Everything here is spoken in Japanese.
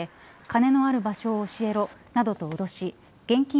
金のある場所を教えろなどと脅し現金